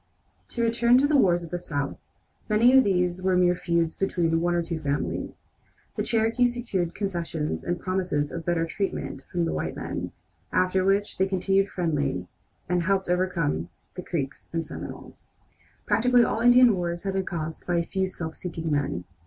To return to the wars in the South, many of these were mere feuds between one or two families. The Cherokees secured concessions and promises of better treatment from the white men, after which they continued friendly, and helped in overcoming the Creeks and Seminoles. Practically all Indian wars have been caused by a few self seeking men.